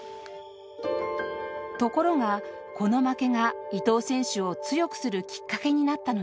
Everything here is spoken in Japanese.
ところがこの負けが伊藤選手を強くするきっかけになったのです。